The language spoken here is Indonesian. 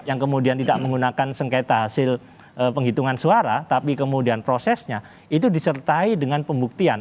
yang kemudian tidak menggunakan sengketa hasil penghitungan suara tapi kemudian prosesnya itu disertai dengan pembuktian